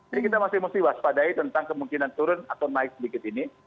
jadi kita masih mesti waspadai tentang kemungkinan turun atau naik sedikit ini